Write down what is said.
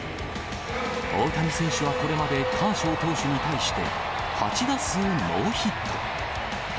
大谷選手はこれまでカーショウ投手に対して、８打数ノーヒット。